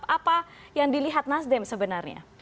apa yang dilihat nasdem sebenarnya